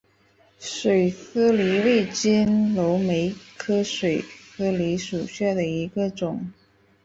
水丝梨为金缕梅科水丝梨属下的一个种。